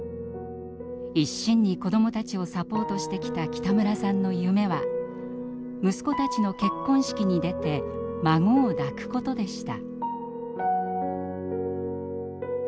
一身に子どもたちをサポートしてきた北村さんの夢は息子たちの結婚式に出て孫を抱くことでした。